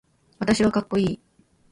私はかっこいい